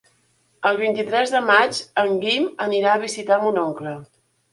El vint-i-tres de maig en Guim anirà a visitar mon oncle.